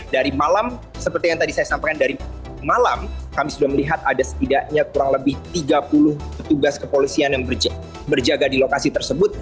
dari malam seperti yang tadi saya sampaikan dari malam kami sudah melihat ada setidaknya kurang lebih tiga puluh petugas kepolisian yang berjaga di lokasi tersebut